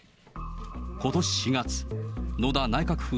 ことし４月、野田内閣府